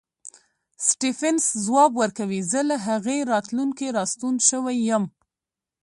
سټېفنس ځواب ورکوي زه له هغې راتلونکې راستون شوی یم